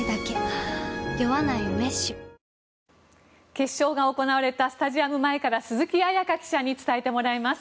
決勝が行われたスタジアム前から鈴木彩加記者に伝えてもらいます。